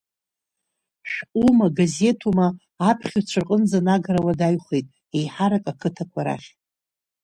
Шәҟәума, газеҭума аԥхьаҩцәа рҟынӡа анагара уадаҩхеит, еиҳарак ақыҭақәа рахь.